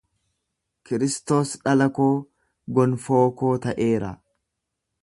Kiristoos dhala koo, gonfoo koo ta'eera.